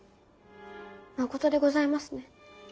まことでございますね。